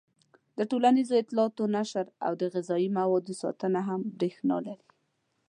د ټولنیزو اطلاعاتو نشر او د غذايي موادو ساتنه هم برېښنا لري.